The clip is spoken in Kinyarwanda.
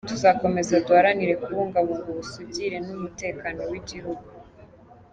Tuzakomeza duharanire kubungabunga ubusugire n’umutekano w’igihugu”